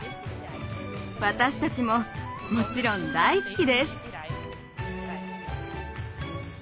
私たちももちろん大好きです。